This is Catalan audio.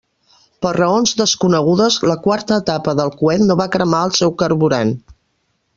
Per raons desconegudes, la quarta etapa del coet no va cremar el seu carburant.